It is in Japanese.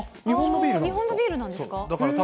日本のビールなんですか。